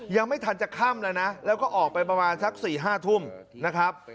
ยังไม่ทันจะค่ำแล้วนะแล้วก็ออกไปประมาณสัก๔๕ทุ่มนะครับ